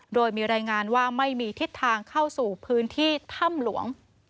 โดยมีรายงานว่าไม่มีทิศทางเข้าสู่พื้นที่ถ้ำหลวง